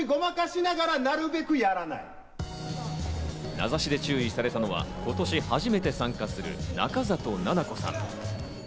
名指しで注意されたのは今年初めて参加する中里菜々子さん。